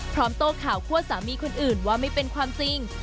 พร้อมโตข่าวควดสามีคนอื่นว่าไม่เป็นความจริง